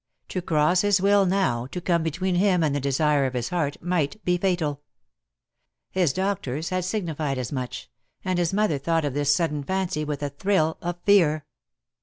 To cross his will now, to come between him and the desire DEAD LOVE HAS CHAINS. I4I of his heart, might be fatal. His doctors had signified as much; and his mother thought of this sudden fancy with a thrill of fear.